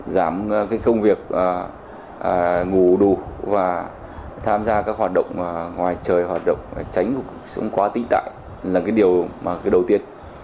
giảm công việc ngủ đủ và tham gia các hoạt động ngoài trời hoạt động tránh cuộc sống quá tĩnh tại là điều đầu tiên